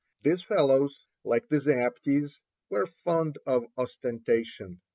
These fellows, like the zaptiehs, were fond of ostentation.